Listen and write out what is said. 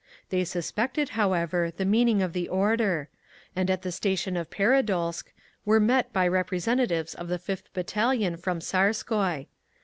They suspected, however, the meaning of the order; and at the station of Peredolsk were met by representatives of the Fifth Battalion from Tsarskoye.